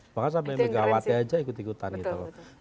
bahkan sampai megawati aja ikut ikutan gitu loh